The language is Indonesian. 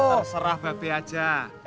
terserah bebe aja